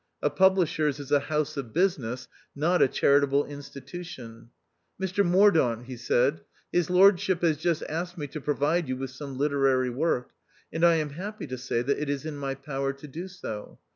A publisher's is a house of business, not a charitable insti tution. "Mr Mordaunt," he said, "His Lordship has just asked me to provide you with some literary work, and I am happy to say that it is in my power to do so.